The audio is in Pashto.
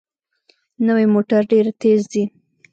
نوې موټر ډېره تېزه ځي